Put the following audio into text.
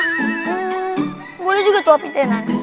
hmm boleh juga tuh api tenan